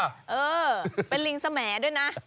เออเป็นลิงสมด้วยนะ